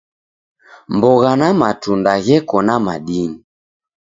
Mbogha na matunda gheko na madini.